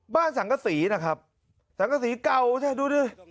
บ้านสังกะศรีนะครับสังกะศรีเก่าใช่ไหมดูดู